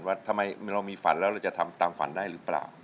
ว่าทำไมเรามีฝันแล้วเราจะทำตามฝันได้หรือเปล่า